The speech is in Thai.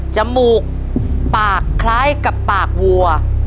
จมูกปากคล้ายกับปากวัว